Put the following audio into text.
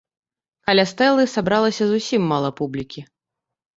Каля стэлы сабралася зусім мала публікі.